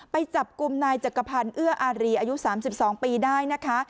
ไปจับกลุ่มนายจักรพันธ์เอื้ออารีอายุ๓๒ปีได้นะคะ